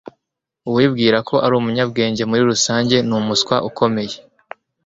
uwibwira ko ari umunyabwenge muri rusange ni umuswa ukomeye